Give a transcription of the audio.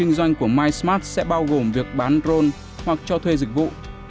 mô hình kinh doanh của mysmart sẽ bao gồm việc bán rôn hoặc cho thuê dịch vụ